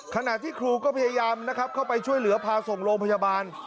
ขณะที่ครูก็พยายามนะครับเข้าไปช่วยเหลือพาส่งโรงพยาบาล